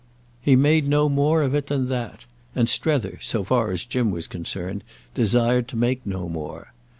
He made no more of it than that, and Strether, so far as Jim was concerned, desired to make no more.